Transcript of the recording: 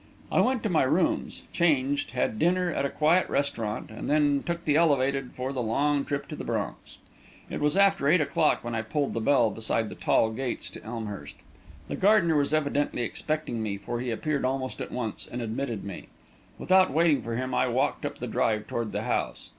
I went to my rooms, changed, had dinner at a quiet restaurant, and then took the elevated for the long trip to the Bronx. It was after eight o'clock when I pulled the bell beside the tall gates to Elmhurst. The gardener was evidently expecting me, for he appeared almost at once and admitted me. Without waiting for him, I walked up the drive toward the house.